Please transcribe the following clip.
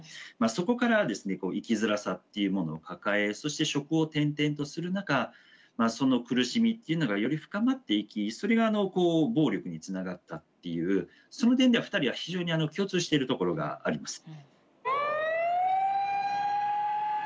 そこから生きづらさっていうものを抱えそして職を転々とする中その苦しみというのがより深まっていきそれが暴力につながったっていうその点では２人は非常に共通しているところがあります。